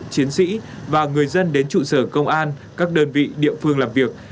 chiến sĩ và người dân đến trụ sở công an các đơn vị địa phương làm việc